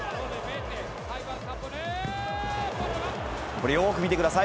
これ、よーく見てください。